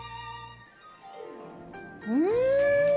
うん！